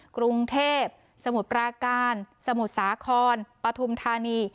กรุงเทพสมุทรปราการสมุทรสาครปฐุมธานี